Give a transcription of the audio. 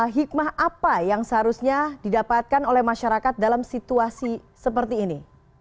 hikmah apa yang seharusnya didapatkan oleh masyarakat dalam situasi seperti ini